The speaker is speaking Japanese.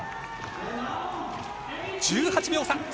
１８秒差。